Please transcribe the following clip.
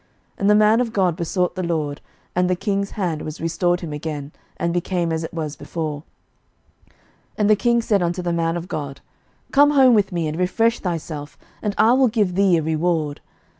And the man of God besought the LORD, and the king's hand was restored him again, and became as it was before. 11:013:007 And the king said unto the man of God, Come home with me, and refresh thyself, and I will give thee a reward.